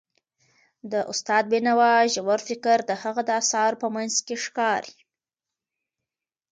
د استاد بینوا ژور فکر د هغه د اثارو په منځ کې ښکاري.